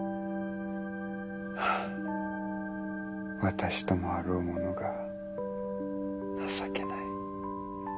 私ともあろうものが情けない。